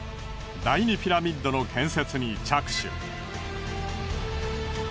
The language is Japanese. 第２ピラミッドの建設に着手。